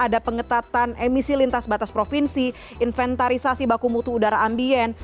ada pengetatan emisi lintas batas provinsi inventarisasi baku mutu udara ambien